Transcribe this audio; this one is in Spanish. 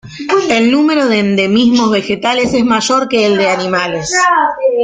El número de endemismos vegetales es mayor que el de animales.